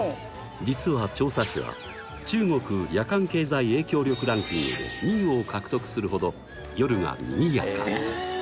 実は長沙市は中国夜間経済影響力ランキングで２位を獲得するほど夜が賑やか！